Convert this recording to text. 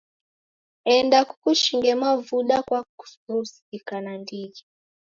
Enda kukushinge mavuda kwakurusika nandighi.